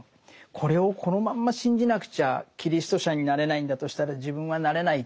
これをこのまんま信じなくちゃキリスト者になれないんだとしたら自分はなれない。